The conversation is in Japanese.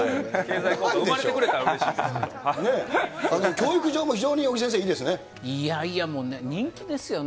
教育上も非常に尾木先生、いいですよね。